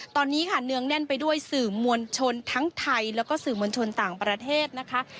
ตอนนี้ค่ะเนื้องแน่นไปด้วยสื่อมวลชนทั้งไทยแล้วก็สื่อมวลชนต่างประเทศนะคะ